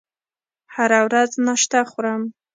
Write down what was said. هره ورځ ناشته خورم